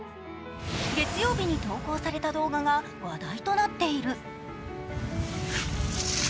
月曜日に投稿された動画が話題となっている。